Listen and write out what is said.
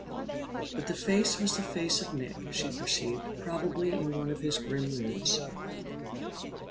But the face was the face of Nick, she perceived, probably in one of his grim moods.